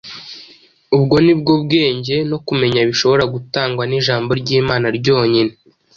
Ubwo ni bwo bwenge no kumenya bishobora gutangwa n’ijambo ry’Imana ryonyine.